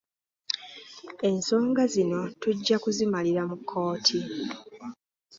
Ensonga zino tujja kuzimalira mu kkooti.